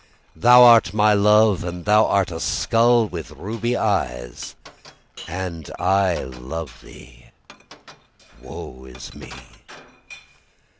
Thou art my love, And thou art a skull with ruby eyes, And I love thee Woe is me.